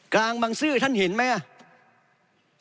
กลางบางซื่อท่านเห็นไหม